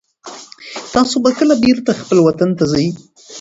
تاسو به کله بېرته خپل وطن ته ځئ؟